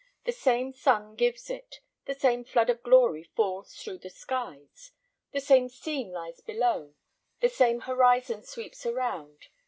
The same sun gives it, the same flood of glory falls through the skies, the same scene lies below, the same horizon sweeps around.